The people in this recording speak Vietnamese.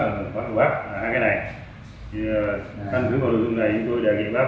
thì tham dự vào đối tượng này chúng tôi đề nghị bác